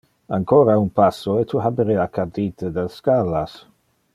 Ancora un passo, e tu haberea cadite del scalas.